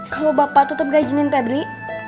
kalau bapak tetep gak izinin pebri